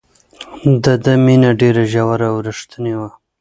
د ده مینه ډېره ژوره او رښتینې وه.